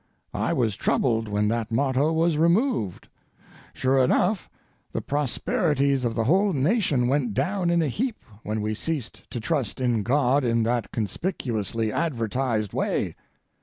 I was troubled when that motto was removed. Sure enough, the prosperities of the whole nation went down in a heap when we ceased to trust in God in that conspicuously advertised way.